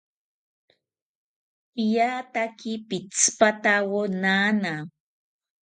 Piataki pitzipatawo nana